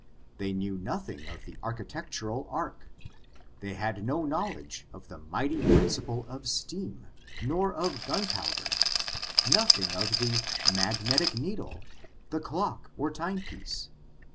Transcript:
They knew nothing of the architectural arch. They had no knowledge of the mighty prin ciple of steam, nor of gunpowder — nothing of the magnetic needle, the clock or time piece.